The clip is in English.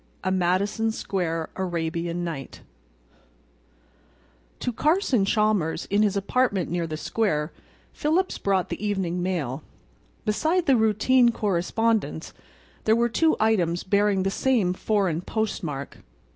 A MADISON SQUARE ARABIAN NIGHT To Carson Chalmers, in his apartment near the square, Phillips brought the evening mail. Beside the routine correspondence there were two items bearing the same foreign postmark.